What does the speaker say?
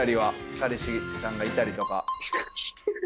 彼氏さんがいたりとか。